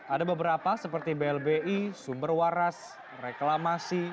ada beberapa seperti blbi sumber waras reklamasi